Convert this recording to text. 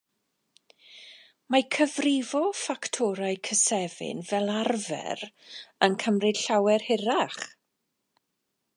Mae cyfrifo ffactorau cysefin, fel arfer, yn cymryd llawer hirach!